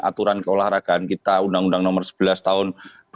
aturan keolahragaan kita undang undang nomor sebelas tahun dua ribu dua